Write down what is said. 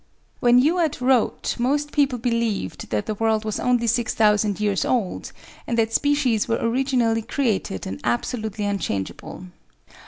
When Youatt wrote, most people believed that the world was only six thousand years old, and that species were originally created and absolutely unchangeable.